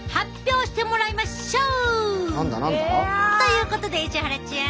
ということで石原ちゃん。